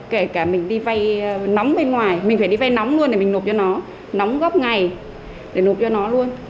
kể cả mình đi vay nóng bên ngoài mình phải đi vay nóng luôn để mình nộp cho nó nóng góc ngày để nộp cho nó luôn